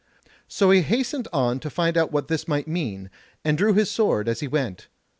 So he hastened on to find what this might mean, and drew his sword as he went.